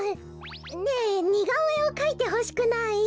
ねえにがおえをかいてほしくない？